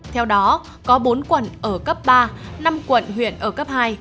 theo đó có bốn quận ở cấp ba năm quận huyện ở cấp hai